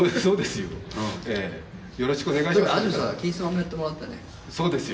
よろしくお願いしますよ。